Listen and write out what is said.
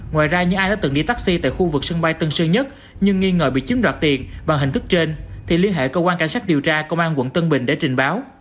ngoài ra những ai đã từng đi taxi tại khu vực sân bay tân sơn nhất nhưng nghi ngờ bị chiếm đoạt tiền bằng hình thức trên thì liên hệ cơ quan cảnh sát điều tra công an quận tân bình để trình báo